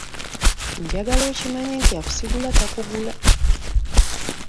Njagala okimanye nti akusigula takugula.